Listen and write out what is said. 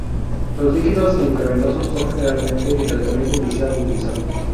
Los líquidos intravenosos son generalmente el tratamiento inicial utilizado.